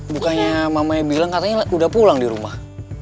bukannya mamanya bilang katanya udah pulang di rumah